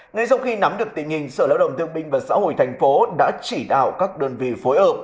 ngay sau khi nắm được tìm nhìn sở lao động thương binh và xã hội thành phố đã chỉ đạo các đơn vị phối ợp